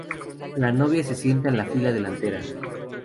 La novia se sienta en la fila delantera.